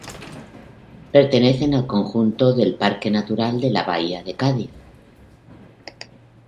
Pertenecen al conjunto del Parque Natural de la Bahía de Cádiz.